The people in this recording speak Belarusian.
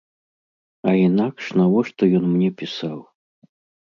А інакш навошта ён мне пісаў?